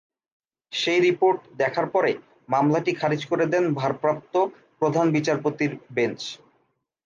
সেই রিপোর্ট দেখার পরে মামলাটি খারিজ করে দেন ভারপ্রাপ্ত প্রধান বিচারপতির বেঞ্চ।